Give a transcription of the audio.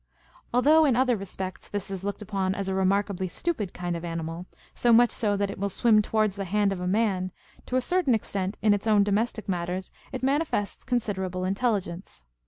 Although, in other respects, this is looked upon as a remarkably stupid kind of animal, so much so, that it will swim towards the hand of a man, to a certain extent in its own domestic matters it manifests considerable intelligence.